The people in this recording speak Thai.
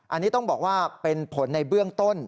อันนี้ต้องบอกว่าเป็นผลในเบื้องต้น